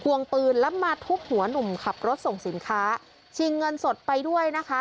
วงปืนแล้วมาทุบหัวหนุ่มขับรถส่งสินค้าชิงเงินสดไปด้วยนะคะ